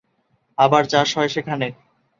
আবার চাষ হয় সেখানে।